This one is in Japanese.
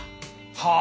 はあ！？